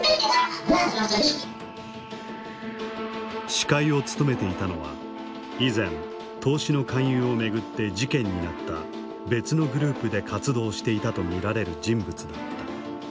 司会を務めていたのは以前投資の勧誘を巡って事件になった別のグループで活動していたと見られる人物だった。